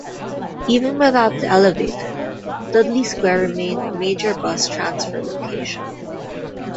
Even without the Elevated, Dudley Square remained a major bus transfer location.